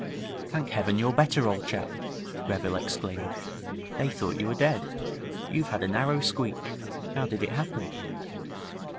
'Thank heaven you're better, old chap!' Greville exclaimed. 'They thought you were dead. You've had a narrow squeak. How did it happen?'